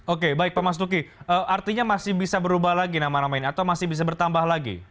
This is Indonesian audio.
oke baik pak mas duki artinya masih bisa berubah lagi nama nama ini atau masih bisa bertambah lagi